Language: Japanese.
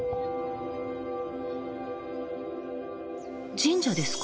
神社ですか？